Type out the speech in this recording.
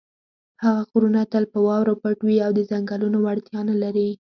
هغه غرونه تل په واورو پټ وي او د څنګلونو وړتیا نه لري.